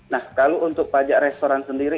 nah kalau untuk pajak restoran sendiri